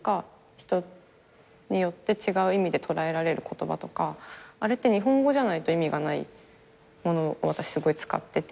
人によって違う意味で捉えられる言葉とかあれって日本語じゃないと意味がないものを私使ってて。